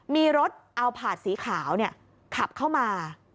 มีรถเอาผาดสีขาวขับเข้ามา